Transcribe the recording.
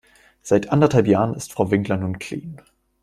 Seit anderthalb Jahren ist Frau Winkler nun clean.